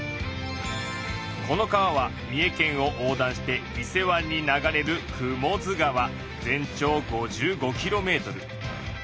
この川は三重県を横断して伊勢湾に流れる全長５５キロメートル。